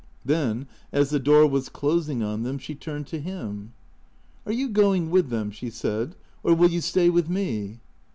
Then, as the door was closing on them, she turned to him. " Are you going with them," she said, " or will you stay with me